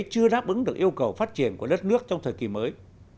chưa đáp ứng được yêu cầu phát triển của đất nước trong thời kỳ mới